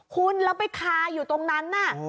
คุณละไปคาอยู่ตรงนั้น